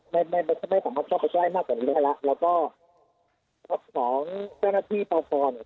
ไม่ไม่สามารถเข้าไปใกล้มากกว่านี้ได้แล้วแล้วก็รถของเจ้าหน้าที่ปพเนี่ย